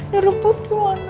di rumput gimana